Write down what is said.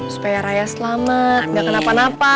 supaya raya selamat gak kenapa napa